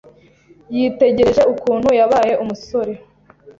yitegereje ukuntu yabaye umusore